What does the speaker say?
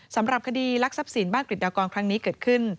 สำหรับคดีลักทรัพย์สินบ้านกฤษฎากรครั้งนี้เกิดขึ้น